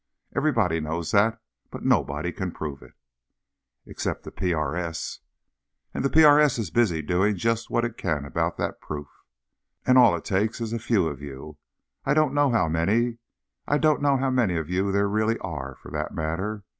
Everybody knows that, but nobody can prove it._ Except the PRS. And the PRS is busy doing just what it can about that proof. _And all it takes is a few of you. I don't know how many—I don't know how many of you there really are, for that matter.